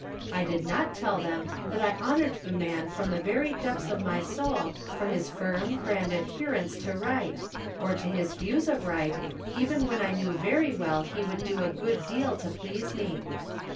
I did not tell them that I honored the man from the very depths of my soul for his firm, grand adherence to right, or to his views of right, even when I knew very well he would do a good deal to please me.